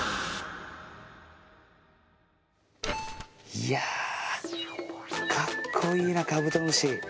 いやかっこいいなカブトムシ。